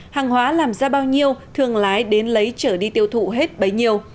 hàng hóa làm ra bao nhiêu thường lái đến lấy trở đi tiêu thụ hết bấy nhiêu